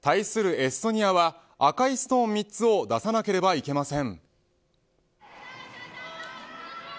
エストニアは赤いストーン３つを出さなければいけません。